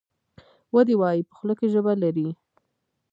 ودي وایي ! په خوله کې ژبه لري .